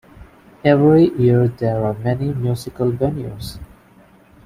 Every year there are many musical venues.